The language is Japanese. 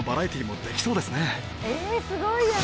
すごいやん！